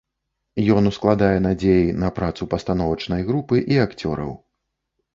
Ён ускладае надзеі на працу пастановачнай групы і акцёраў.